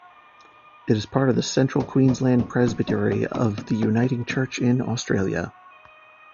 It is part of the Central Queensland Presbytery of the Uniting Church in Australia.